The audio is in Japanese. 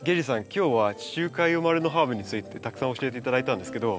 今日は地中海生まれのハーブについてたくさん教えて頂いたんですけど